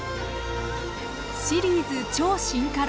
シリーズ「超進化論」。